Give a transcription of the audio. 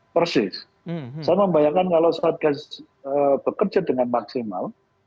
persis saya membayangkan kalau satgas bekerja dengan maksimal